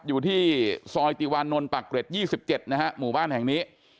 อยู่ที่ซอยติวานนท์ปากเกร็ด๒๗นะฮะหมู่บ้านแห่งนี้